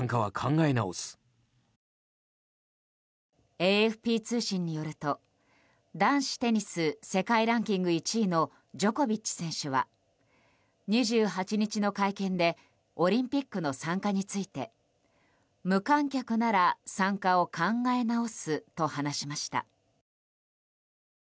ＡＦＰ通信によると男子テニス世界ランキング１位のジョコビッチ選手は２８日の会見でオリンピックの参加について無観客なら参加を考え直すと話しました。